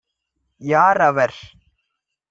யார் அவர்?